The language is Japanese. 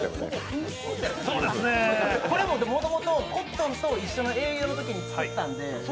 これまでもともとコットンと一緒の営業のときに作ったんで。